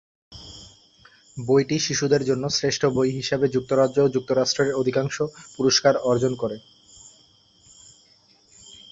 বইটি শিশুদের জন্য শ্রেষ্ঠ বই হিসেবে যুক্তরাজ্য ও যুক্তরাষ্ট্রের অধিকাংশ পুরস্কার অর্জন করে।